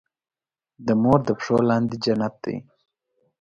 د مور د پښو لاندې جنت دی.